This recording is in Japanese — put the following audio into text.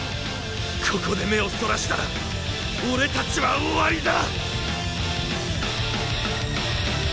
ここで目をそらしたら俺たちは終わりだ！